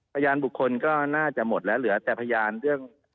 พยานบุคคลก็น่าจะหมดแล้วเหลือแต่พยานเรื่อง